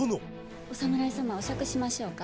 お侍様お酌しましょうか。